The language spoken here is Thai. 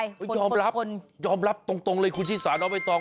ยอมรับยอมรับตรงเลยคุณที่สามารถเอาไปต้อง